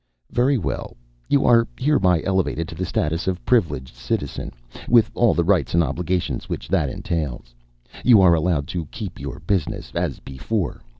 "Very well. You are hereby elevated to the status of Privileged Citizen, with all the rights and obligations which that entails. You are allowed to keep your business, as before.